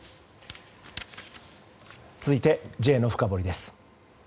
続いてＪのフカボリです。